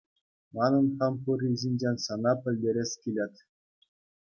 Манӑн хам пурри ҫинчен сана пӗлтерес килет.